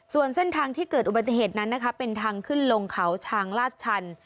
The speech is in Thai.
ส่วนเส้นทางที่เกิดอุบัติเหตุนั้นนะคะเป็นทางขึ้นลงเขาชางลาดชัน